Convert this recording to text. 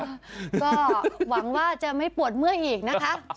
ก็หวังว่าจะไม่ปวดเมื่อยอีกนะคะ